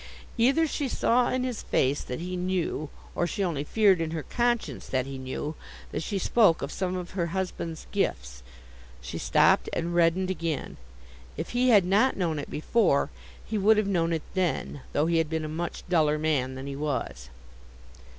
Either she saw in his face that he knew, or she only feared in her conscience that he knew, that she spoke of some of her husband's gifts. She stopped, and reddened again. If he had not known it before, he would have known it then, though he had been a much duller man than he was.